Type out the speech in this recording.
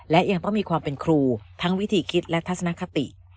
และยังต้องมีความเป็นครูทั้งวิธีคิดและทัศนคติ